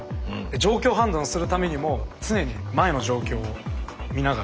状況判断するためにも常に前の状況を見ながら。